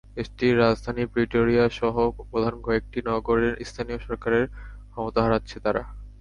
দেশটির রাজধানী প্রিটোরিয়াসহ প্রধান কয়েকটি নগরের স্থানীয় সরকারের ক্ষমতা হারাচ্ছে তারা।